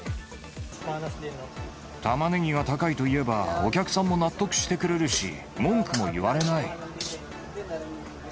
タマネギが高いと言えば、お客さんも納得してくれるし、文句も言われない。